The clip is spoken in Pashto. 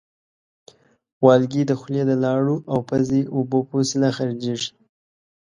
والګی د خولې د لاړو او پزې اوبو په وسیله خارجېږي.